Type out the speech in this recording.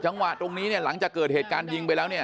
จังหวะตรงนี้เนี่ยหลังจากเกิดเหตุการณ์ยิงไปแล้วเนี่ย